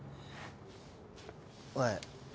おい。